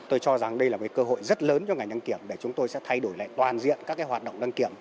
tôi cho rằng đây là một cơ hội rất lớn cho ngành đăng kiểm để chúng tôi sẽ thay đổi lại toàn diện các hoạt động đăng kiểm